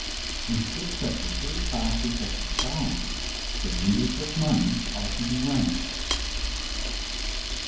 In which of the three classes of society the lenders of money are to be ranked.